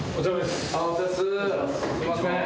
すいません。